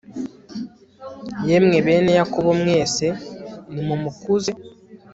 yemwe, bene yakobo mwese, nimumukuze